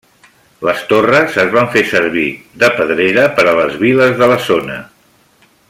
Les torres es van fer servir de pedrera per a les viles de la zona.